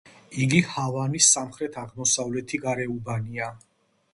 იგი ჰავანის სამხრეთ-აღმოსავლეთი გარეუბანია.